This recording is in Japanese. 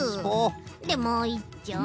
でもういっちょを。